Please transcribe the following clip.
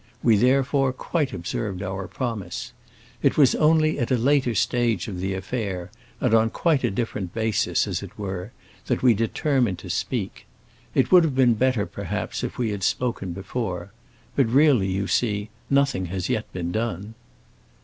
We therefore quite observed our promise. It was only at a later stage of the affair, and on quite a different basis, as it were, that we determined to speak. It would have been better, perhaps, if we had spoken before. But really, you see, nothing has yet been done."